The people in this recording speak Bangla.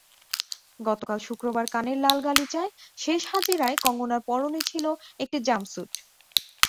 গতকাল শুক্রবার কানের লালাগালিচায় শেষ হাজিরায় কঙ্গনার পরনে ছিল একটি জাম্পস্যুট।